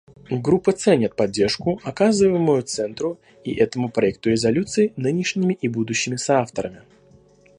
Группа ценит поддержку, оказываемую Центру и этому проекту резолюции нынешними и будущими соавторами.